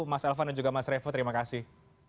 mas elvan dan juga mas revo terima kasih